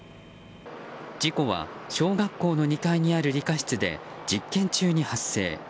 事故は小学校の２階にある理科室で実験中に発生。